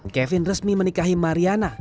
kevin resmi menikahi mariana